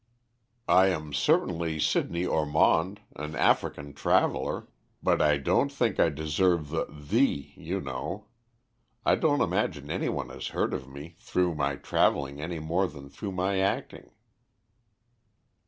"I am certainly Sidney Ormond, an African traveller, but I don't think I deserve the 'the,' you know. I don't imagine anyone has heard of me through my travelling any more than through my acting."